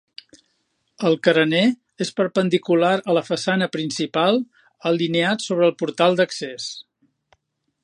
El carener és perpendicular a la façana principal, alineat sobre el portal d'accés.